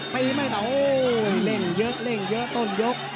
ไปไม่เหล่าเล่นเยอะต้นยก